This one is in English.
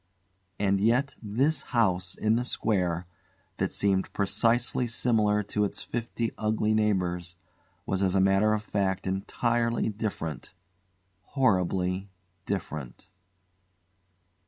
And yet this house in the square, that seemed precisely similar to its fifty ugly neighbours, was as a matter of fact entirely different horribly different.